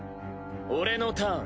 俺のターン。